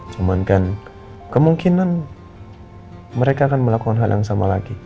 cuman kan kemungkinan mereka akan melakukan hal yang sama lagi